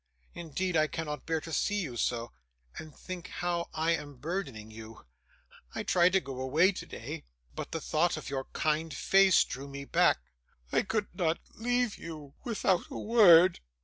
Indeed I cannot bear to see you so, and think how I am burdening you. I tried to go away today, but the thought of your kind face drew me back. I could not leave you without a word.